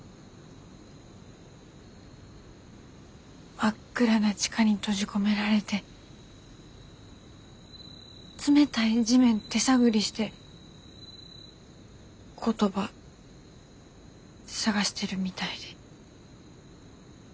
真っ暗な地下に閉じ込められて冷たい地面手探りして言葉探してるみたいで。